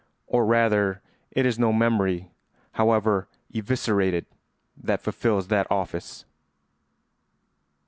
Or rather it is no memory, however eviscerated, that fulfils that office.